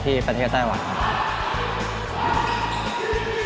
อายุ๒๑ปีครับเล่นทีมชาติครั้งแรกปีที่แล้วครับ